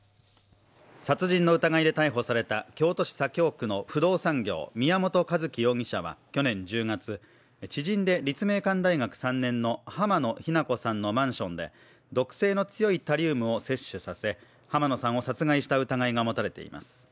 殺人の疑いで逮捕された京都市左京区の不動産業、宮本一希容疑者は去年１０月、知人で立命館大学３年の濱野日菜子さんのマンションで毒性の強いタリウムを摂取させ、濱野さんを殺害した疑いが持たれています。